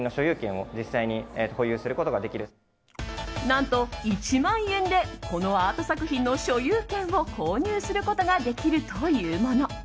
何と１万円でこのアート作品の所有権を購入することができるというもの。